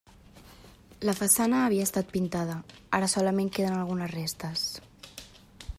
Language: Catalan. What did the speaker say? La façana havia estat pintada, ara solament queden algunes restes.